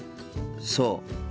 そう。